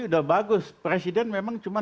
udah bagus presiden memang cuma